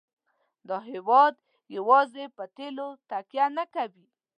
دا هېواد یوازې پر تیلو تکیه نه کوي.